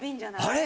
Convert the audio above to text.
あれ？